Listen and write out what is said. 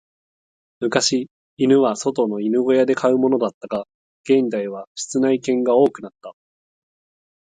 昔、犬は外の犬小屋で飼うものだったが、現代は室内犬が多くなった。